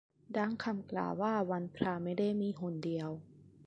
ดังคำกล่าวว่าวันพระไม่ได้มีหนเดียว